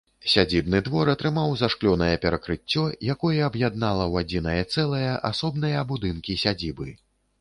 Сядзібны двор атрымаў зашклёнае перакрыцце, якое аб'яднала ў адзінае цэлае асобныя будынкі сядзібы.